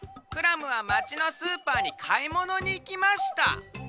クラムはまちのスーパーにかいものにいきました。